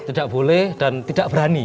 tidak boleh dan tidak berani